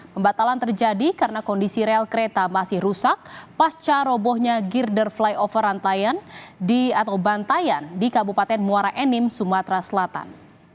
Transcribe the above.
pembatalan terjadi karena kondisi rel kereta masih rusak pasca robohnya girder flyover rantaian di atau bantayan di kabupaten muara enim sumatera selatan